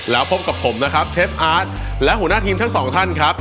แล้วพบกับผมนะครับเชฟอาร์ตและหัวหน้าทีมทั้งสองท่านครับ